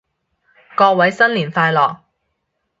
各位新年快樂